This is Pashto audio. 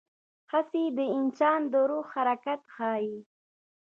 هڅې د انسان د روح حرکت ښيي.